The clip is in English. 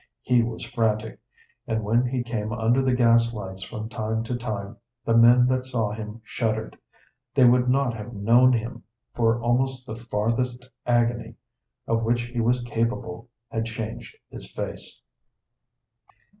He was frantic, and when he came under the gas lights from time to time the men that saw him shuddered; they would not have known him, for almost the farthest agony of which he was capable had changed his face.